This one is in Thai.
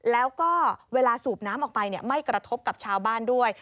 แล้วก็เวลาสูบน้ำออกไปไม่กระทบกับชาวบ้านด้วย